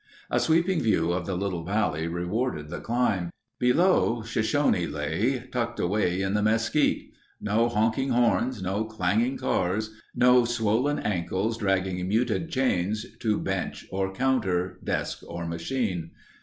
A sweeping view of the little valley rewarded the climb. Below, Shoshone lay, tucked away in the mesquite. No honking horns, no clanging cars. No swollen ankles dragging muted chains to bench or counter, desk or machine.